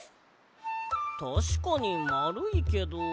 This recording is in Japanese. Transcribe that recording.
たしかにまるいけど。